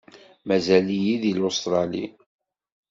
Mazal-iyi di Lustṛali.